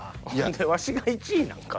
ワシが１位なんか？